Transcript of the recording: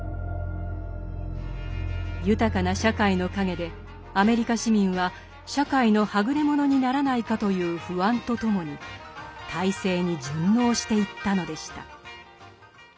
豊かな社会の陰でアメリカ市民は社会のはぐれ者にならないかという不安とともに体制に順応していったのでした。